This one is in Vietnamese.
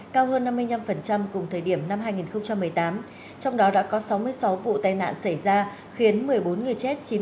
cao hơn năm mươi năm cùng thời điểm năm hai nghìn một mươi tám trong đó đã có sáu mươi sáu vụ tai nạn xảy ra khiến một mươi bốn người chết